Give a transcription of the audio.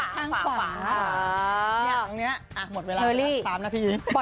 ตรงนี้หมดเวลาตามแล้วพี่อิ๊ง